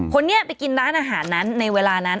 คนนี้ไปกินร้านอาหารนั้นในเวลานั้น